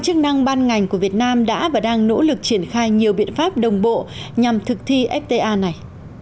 chức năng ban ngành của việt nam đã và đang nỗ lực triển khai nhiều biện pháp đồng bộ nhằm thực thi fta này